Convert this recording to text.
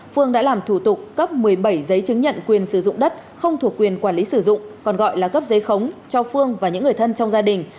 phương đã làm thủ tục cấp một mươi bảy giấy chứng nhận quyền sử dụng đất không thuộc quyền quản lý sử dụng còn gọi là cấp giấy khống cho phương và những người thân trong gia đình